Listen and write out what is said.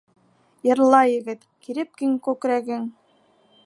...Йырла, егет, киреп киң күкрәгең